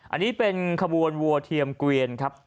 อันนี้เป็นขบวนวัวเทียมเกวียนครับ